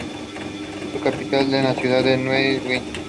Su capital es la ciudad de Neuwied.